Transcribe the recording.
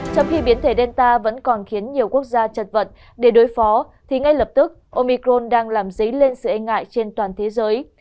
trong khi biến thể delta vẫn còn khiến nhiều quốc gia chật vật để đối phó thì ngay lập tức omicron đang làm dấy lên sự e ngại trên toàn thế giới